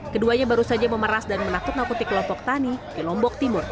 keduanya baru saja memeras dan melakukan akutik lombok tani di lombok timur